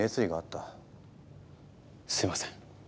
すいません。